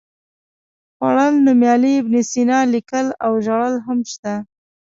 خوړل، نومیالی، ابن سینا، لیکل او ژړل هم شته.